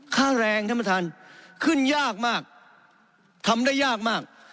ค่าแรงท่านประธานขึ้นยากมากทำได้ยากมาก